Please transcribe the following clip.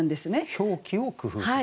「表記を工夫する」？